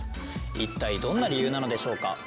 一体どんな理由なのでしょうか？